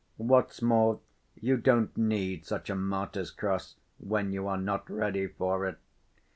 What's more, you don't need such a martyr's cross when you are not ready for it.